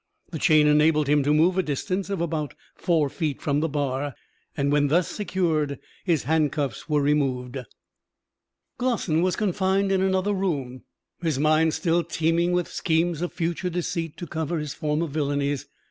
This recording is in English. The chain enabled him to move a distance of about four feet from the bar, and when thus secured his handcuffs were removed. Glossin was confined in another room, his mind still teeming with schemes of future deceit to cover his former villainies.